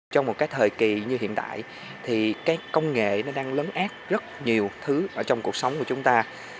trong một thời kỳ như hiện tại công nghệ đang lấn át rất nhiều thứ trong cuộc sống của chúng ta